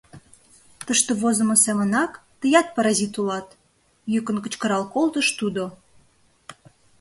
— Тыште возымо семынак, тыят паразит улат! — йӱкын кычкырал колтыш тудо.